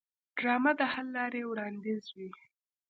ډرامه د حل لارې وړاندیزوي